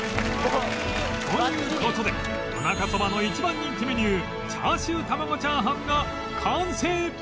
という事でよなかそばの一番人気メニューチャーシューたまご炒飯が完成！